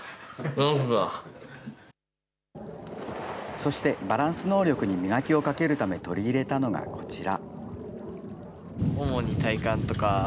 そして、バランス能力に磨きをかけるため取り入れたのがこちら。